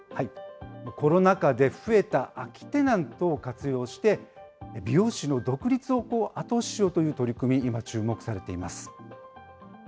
コロナ禍で増えた空きテナントを活用して、美容師の独立を後押ししようという取り組み、今、注目されています。